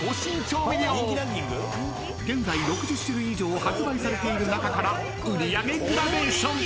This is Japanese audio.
［現在６０種類以上発売されている中から売上グラデーション］